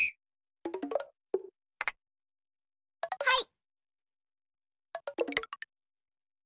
はい。